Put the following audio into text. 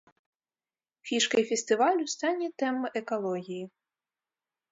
Фішкай фестывалю стане тэма экалогіі.